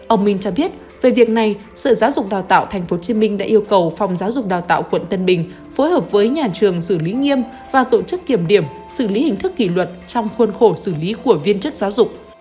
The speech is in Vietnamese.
ông minh cho biết về việc này sở giáo dục đào tạo tp hcm đã yêu cầu phòng giáo dục đào tạo quận tân bình phối hợp với nhà trường xử lý nghiêm và tổ chức kiểm điểm xử lý hình thức kỷ luật trong khuôn khổ xử lý của viên chức giáo dục